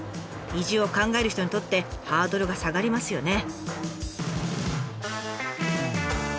移住を考える人にとってハードルが下がりますよね。